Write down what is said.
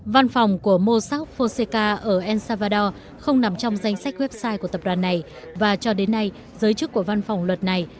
văn phòng của mosaf foseka ở el salvador không nằm trong danh sách website của tập đoàn này và cho đến nay giới chức của văn phòng luật này